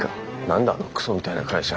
何だあのクソみたいな会社。